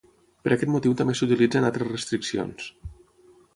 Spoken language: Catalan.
Per aquest motiu també s'utilitzen altres restriccions.